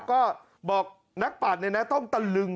ก็บอกนักปัดต้องตะลึง